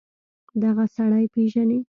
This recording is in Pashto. دغه سړى پېژنې.